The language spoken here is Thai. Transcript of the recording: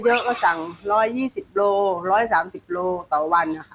ก็สั่ง๑๒๐โล๑๓๐โลต่อวันครับค่ะ